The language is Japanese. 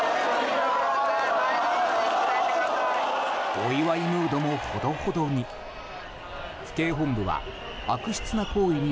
お祝いムードもほどほどに。